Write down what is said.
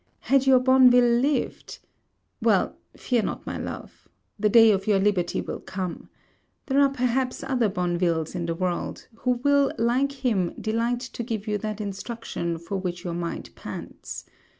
Had your Bonneville lived Well, fear not my love. The day of your liberty will come. There are perhaps other Bonnevilles in the world, who will like him delight to give you that instruction for which your mind pants.